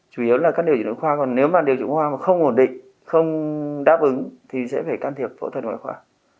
chủ yếu là các điều dưỡng khoa còn nếu mà điều trị khoa mà không ổn định không đáp ứng thì sẽ phải can thiệp phẫu thuật ngoại khoa